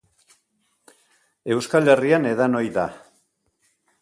Euskal Herrian edan ohi da.